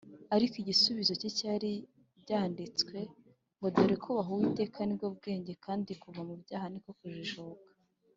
; ariko igisubizo cye cyari, Byanditswe ngo, “Dore kubaha Uwiteka nibwo bwenge, kandi kuva mu byaha niko kujijuka.